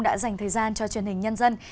đã dành thời gian cho truyền hình nhân dân